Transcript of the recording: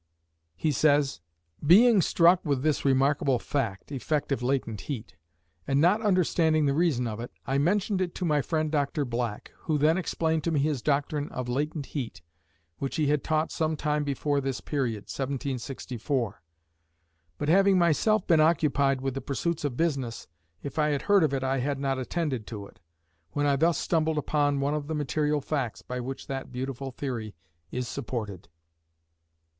He says: Being struck with this remarkable fact (effect of latent heat), and not understanding the reason of it, I mentioned it to my friend, Dr. Black, who then explained to me his doctrine of latent heat, which he had taught some time before this period (1764); but having myself been occupied with the pursuits of business, if I had heard of it I had not attended to it, when I thus stumbled upon one of the material facts by which that beautiful theory is supported.